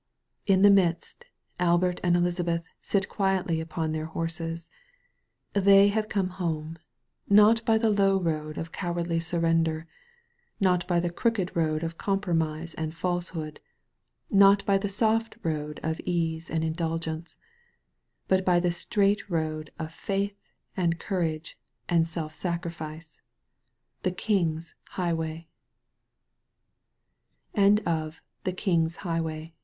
In the midst, Albert and Elizabeth sit quietly upon their horses. They have come home. Not by the low road of cowardly surrender; not by the crooked road of compromise and falsehood; not by the soft road of ease and self indulgence; but by the straight road of faith and courage and self sacrifice — ^the King's High